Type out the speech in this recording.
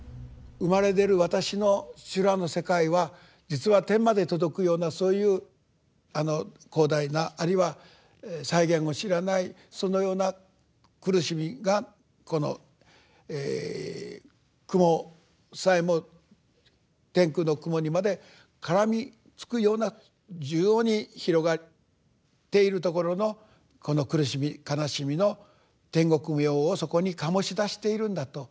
生まれ出る私の修羅の世界は実は天まで届くようなそういう広大なあるいは際限を知らないそのような苦しみがこのくもさえも天空のくもにまでからみつくような縦横に広がっているところのこの苦しみ悲しみの諂曲模様をそこに醸し出しているんだと。